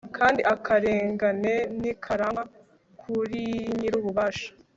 kandi akarengane ntikarangwa kuri nyir'ububasha